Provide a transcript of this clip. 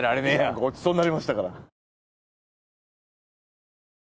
ごちそうになりましたから